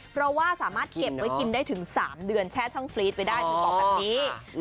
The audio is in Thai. เพราะว่าสามารถเก็บไว้กินได้ถึง๓เดือนแช่ช่องฟรีดไปได้เธอบอกแบบนี้